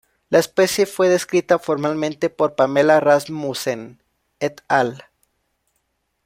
La especie fue descrita formalmente por Pamela Rasmussen "et al.